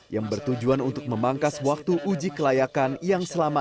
yang bertujuan untuk memangkas waktu uji kelayakan yang selama ini